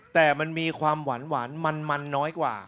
แต่มันมีความหวานมันน้อยกว่า